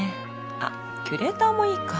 あっキュレーターもいいか